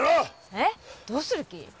えっどうする気？